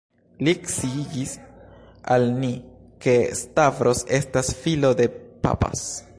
Li sciigis al ni, ke Stavros estas filo de «_papas_».